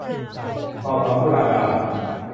ถอดถอนตุลาการ ?